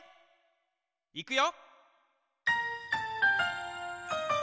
いくよ！